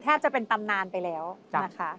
จะเป็นตำนานไปแล้วนะคะ